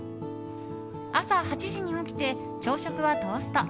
朝８時に起きて朝食はトースト。